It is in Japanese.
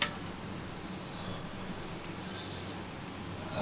あ。